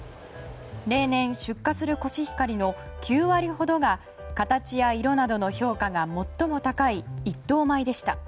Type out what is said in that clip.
例年、出荷するコシヒカリの９割ほどが形や色などの評価が最も高い一等米でした。